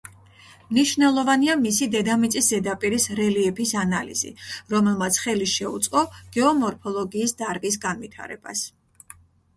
მნიშვნელოვანია მისი დედამიწის ზედაპირის რელიეფის ანალიზი, რომელმაც ხელი შეუწყო გეომორფოლოგიის დარგის განვითარებას.